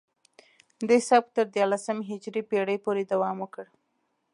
دې سبک تر دیارلسمې هجري پیړۍ پورې دوام وکړ